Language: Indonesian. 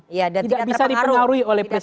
tidak bisa dipengaruhi oleh presiden